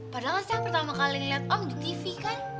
padahal saya pertama kali lihat om di tv kan